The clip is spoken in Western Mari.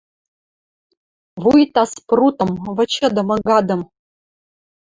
Вуйта спрутым, вычыдымы гадым